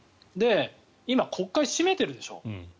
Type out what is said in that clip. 今、国会閉めてるでしょう。